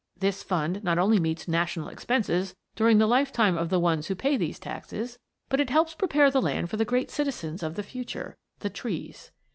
This fund not only meets "national expenses" during the lifetime of the ones who pay these taxes, but it helps prepare the land for the great citizens of the future the trees.